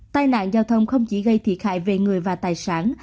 tai nạn giao thông không chỉ gây thiệt hại về người và tài sản